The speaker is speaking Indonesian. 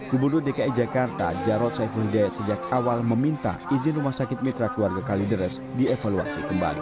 gubernur dki jakarta jarod saiful hidayat sejak awal meminta izin rumah sakit mitra keluarga kalideres dievaluasi kembali